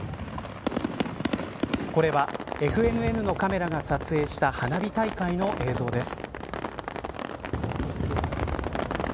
これはＦＮＮのカメラが撮影した花火大会の映像です。